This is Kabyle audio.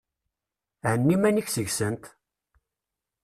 Henni iman-ik seg-sent!